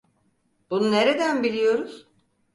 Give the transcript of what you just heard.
Bunu nereden biliyoruz?